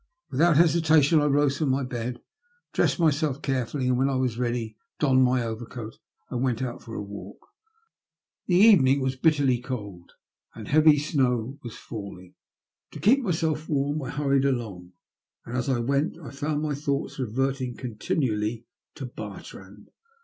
Without hesita tion I rose from my bed, dressed myself carefully, and when I was ready, donned my overcoat and went out tor a walk. The evening waa bitterly cold, and heavy snow was A GRUESOME TALE. 75 falling. To keep myself warm I harried along, and as I went I found my thoughts reverting continually to Bartrand.